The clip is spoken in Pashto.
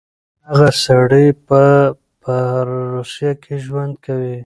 هغه سړی به په روسيه کې ژوند کوي.